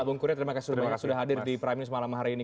bung kure terima kasih sudah hadir di prime news malam hari ini